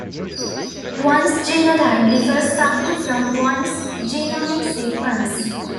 One's genotype differs subtly from one's genomic sequence.